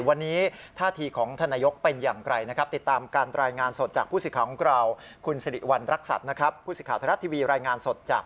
วันนี้ท่าทีของท่านายยกรัฐมนตรีเป็นอย่างไกลนะครับ